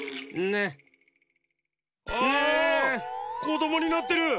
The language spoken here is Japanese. こどもになってる！